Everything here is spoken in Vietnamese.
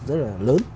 rất là lớn